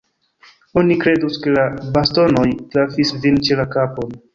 Oni kredus, ke la bastonoj trafis vin ĉe la kapon.